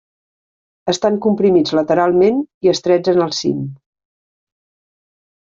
Estan comprimits lateralment i estrets en el cim.